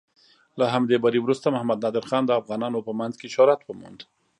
له همدې بري وروسته محمد نادر خان د افغانانو په منځ کې شهرت وموند.